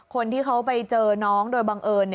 คนที่เขาไปเจอน้องโดยบังเอิญ